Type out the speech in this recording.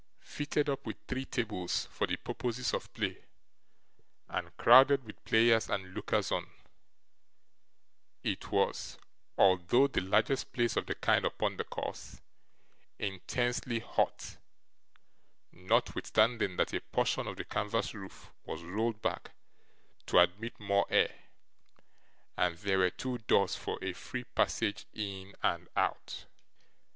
Fitted up with three tables for the purposes of play, and crowded with players and lookers on, it was, although the largest place of the kind upon the course, intensely hot, notwithstanding that a portion of the canvas roof was rolled back to admit more air, and there were two doors for a free passage in and out.